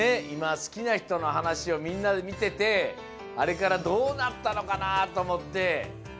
いま好きな人のはなしをみんなでみててあれからどうなったのかなとおもって。